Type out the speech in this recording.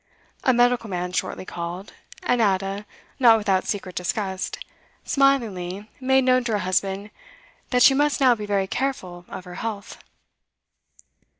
A medical man shortly called, and Ada, not without secret disgust, smilingly made known to her husband that she must now be very careful of her health.